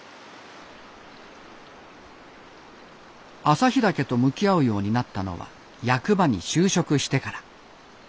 朝日岳と向き合うようになったのは役場に就職してから。